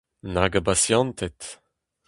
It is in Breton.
Nag a basianted !